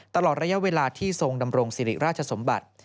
ตลอดระยะเวลาที่ทรงดำรงสิริราชสมบัติ